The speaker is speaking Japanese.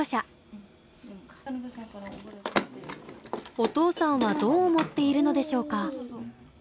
お父さんはどう思っているのでしょうか？